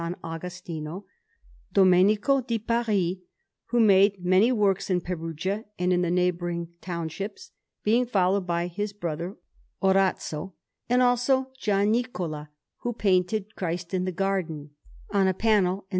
Agostino; Domenico di Paris, who made many works in Perugia and in the neighbouring townships, being followed by his brother Orazio; and also Gian Niccola, who painted Christ in the Garden on a panel in S.